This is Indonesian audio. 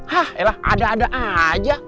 hah yalah ada ada aja